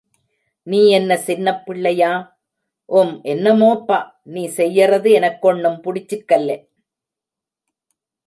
நீ யென்ன சின்னப் பிள்ளையா?... உம் என்னமோப்பா நீ செய்றது எனக்கொண்ணும் புடிச்சுக்கெல்லே.